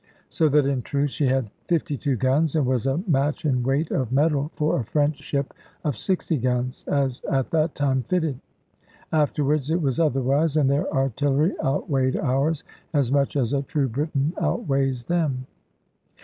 So that in truth she had fifty two guns, and was a match in weight of metal for a French ship of sixty guns, as at that time fitted. Afterwards it was otherwise; and their artillery outweighed ours, as much as a true Briton outweighs them.